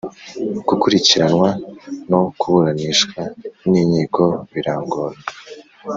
gukurikiranwa no kuburanishwa n inkiko birangora